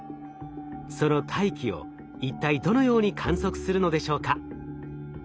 その大気を一体どのように観測するのでしょうか？